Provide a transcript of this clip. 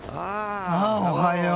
おはよう。